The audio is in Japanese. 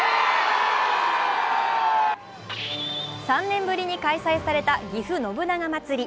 ３年ぶりに開催されたぎふ信長まつり。